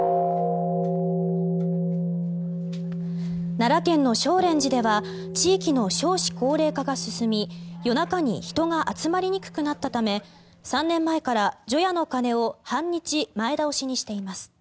奈良県の生蓮寺では地域の少子高齢化が進み夜中に人が集まりにくくなったため３年前から除夜の鐘を半日前倒しにしています。